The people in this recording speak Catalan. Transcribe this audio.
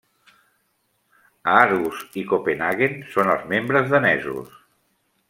Aarhus i Copenhaguen són els membres danesos.